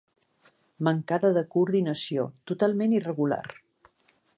Mancada de coordinació, totalment irregular.